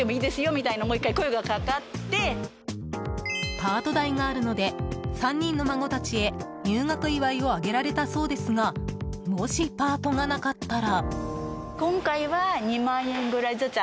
パート代があるので３人の孫たちへ入学祝いをあげられたそうですがもしパートがなかったら。